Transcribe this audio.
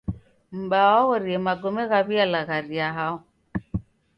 M'baa waghorie magome ghaw'ialagharia hao.